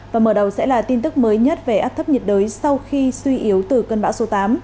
và mở đầu sẽ là tin tức mới nhất về áp thấp nhiệt đới sau khi suy yếu từ cơn bão số tám